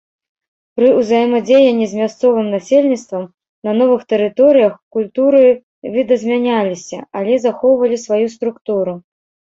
Пры ўзаемадзеянні з мясцовым насельніцтвам на новых тэрыторыях культуры відазмяняліся, але захоўвалі сваю структуру.